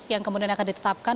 yang kemudian akan ditetapkan